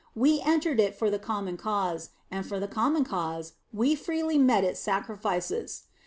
We entered it for the common cause, and for the common cause we freely met its sacrifices.